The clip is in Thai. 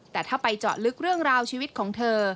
แต่ถ้าไปเจาะลึกเรื่องราวชีวิตของเธอ